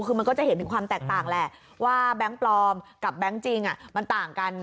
คือมันก็จะเห็นถึงความแตกต่างแหละว่าแบงค์ปลอมกับแบงค์จริงมันต่างกัน